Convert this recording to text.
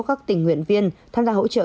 các tình nguyện viên tham gia hỗ trợ